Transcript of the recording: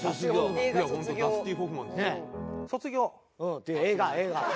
っていう映画映画。